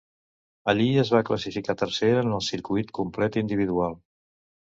Allí es va classificar tercera en el circuit complet individual.